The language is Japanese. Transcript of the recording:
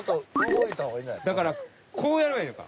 だからこうやればいいのか。